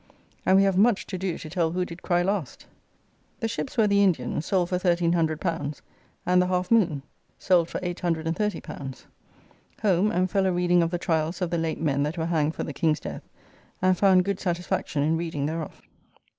] and we have much to do to tell who did cry last. The ships were the Indian, sold for L1,300, and the Half moon, sold for L830. Home, and fell a reading of the tryalls of the late men that were hanged for the King's death, and found good satisfaction in reading thereof.